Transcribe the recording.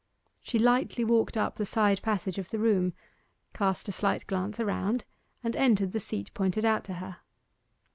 She lightly walked up the side passage of the room, cast a slight glance around, and entered the seat pointed out to her.